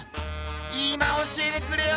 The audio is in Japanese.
今教えてくれよ。